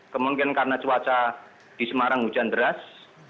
kemungkinan karena cuaca di semarang hujan deras